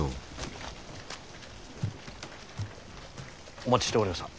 お待ちしておりました。